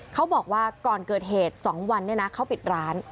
เขาบอกว่าก่อนเกิดเหตุ๒วันเนี่ยนะเขาปิดร้าน